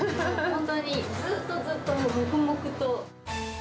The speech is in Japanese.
本当にずっとずっと、もう黙々と。